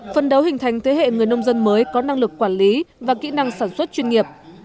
phân đấu hình thành thế hệ người nông dân mới có năng lực quản lý và kỹ năng sản xuất chuyên nghiệp